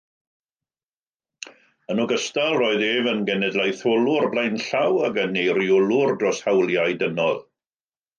Yn ogystal, roedd ef yn genedlaetholwr blaenllaw ac yn eiriolwr dros hawliau dynol.